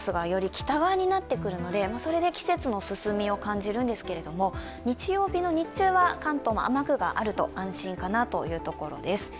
北側になってくるので、それで季節の進みを感じるんですけど日曜日の日中は関東も雨具があると安心かなというところです。